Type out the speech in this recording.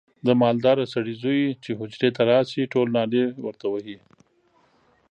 د مالداره سړي زوی چې حجرې ته راشي ټول نارې ورته وهي.